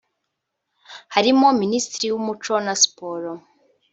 harimo Minisitiri w’umuco na siporo